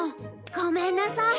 ごめんなさい。